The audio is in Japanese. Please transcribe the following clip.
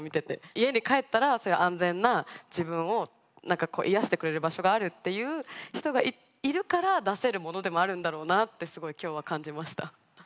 家に帰ったらそういう安全な自分をなんか癒やしてくれる場所があるっていう人がいるから出せるものでもあるんだろうなってすごい今日は感じました。